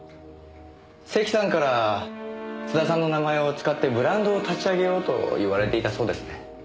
関さんから津田さんの名前を使ってブランドを立ち上げようと言われていたそうですね。